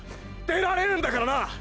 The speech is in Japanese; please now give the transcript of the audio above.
出られるんだからな！！